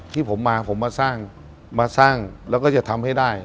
ที่ผมมาผมมาสร้างมาสร้างแล้วก็จะทำให้ได้